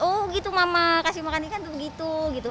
oh gitu mama kasih makan ikan tuh begitu gitu